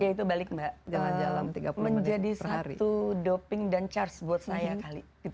itu balik mbak menjadi satu doping dan charge buat saya kali